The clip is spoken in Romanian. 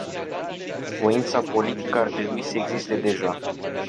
Voința politică ar trebui să existe deja.